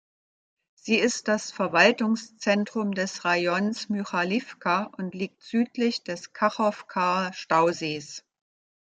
Sie ist das Verwaltungszentrum des Rajons Mychajliwka und liegt südlich des Kachowkaer Stausees.